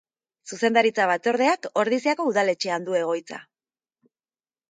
Zuzendaritza Batzordeak Ordiziako Udaletxean du egoitza.